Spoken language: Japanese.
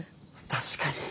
確かに。